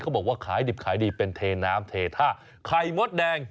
บอกว่าขายดิบขายดีเป็นเทน้ำเทท่าไข่มดแดง